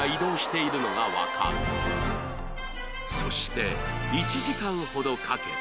そして１時間ほどかけて